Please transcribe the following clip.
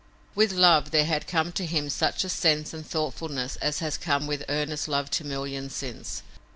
With love there had come to him such sense and thoughtfulness as has come with earnest love to millions since.